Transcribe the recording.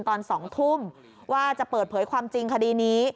ตอน๒ทุ่มว่าจะเปิดเผยความจริงคดีนี้